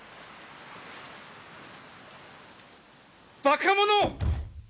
バカ者！